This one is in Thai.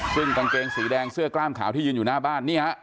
ซึ่งกางเกงสีแดงเสื้อกล้ามขาวที่ยืนอยู่หน้าบ้านนี่ฮะ